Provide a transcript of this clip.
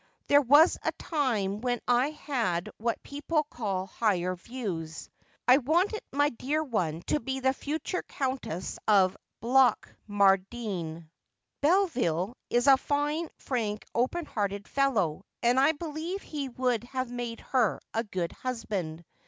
' There was a time when I had what people call higher views. I wanted my dear one to be the future Countess of Blatchmardean. Beville is a fine, frank, open hearted fellow, and I believe he would have made her a good husband.